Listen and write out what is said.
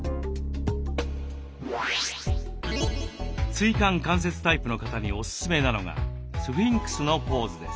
椎間関節タイプの方におすすめなのがスフィンクスのポーズです。